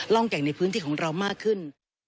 ร่องแก่งในพื้นที่ของเรามากขึ้น